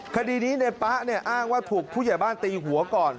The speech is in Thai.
คดีนี้ในป๊ะอ้างว่าถูกผู้ใหญ่บ้านตีหัวก่อน